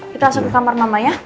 kita langsung ke kamar mama ya